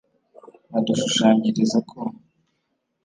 Bidushushanyiriza ko